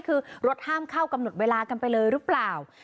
คือรถห้ามเข้ากำหนดเวลากันไปเลยหรือเปล่า